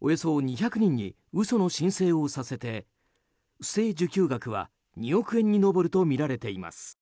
およそ２００人に嘘の申請をさせて不正受給額は２億円に上るとみられています。